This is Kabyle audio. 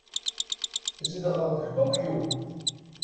Zedɣeɣ deg Tokyo.